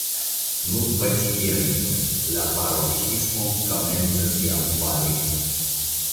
Nur paciencon, la paroksismo komencas jam fali.